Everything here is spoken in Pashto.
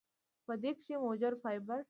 خو پۀ دې کښې موجود فائبر ،